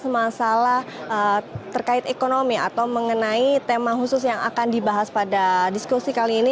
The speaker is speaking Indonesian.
masalah terkait ekonomi atau mengenai tema khusus yang akan dibahas pada diskusi kali ini